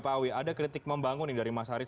pak awi ada kritik membangun nih dari mas haris